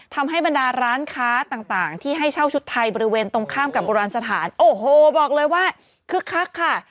ทำให้บรรดาร้านค้าต่างที่ให้เช่าชุดไทยบริเวณตรงข้ามกับโบราณสถานโอ้โหบอกเลยว่าคึกคักค่ะ